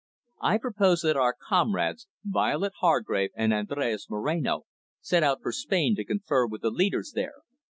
"I propose that our comrades, Violet Hargrave and Andres Moreno, set out for Spain to confer with the leaders there.